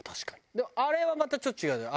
でもあれはまたちょっと違うじゃん。